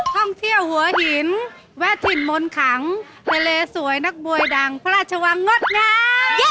ท่องเที่ยวหัวหินแวะถิ่นมนต์ขังทะเลสวยนักมวยดังพระราชวังงดงาม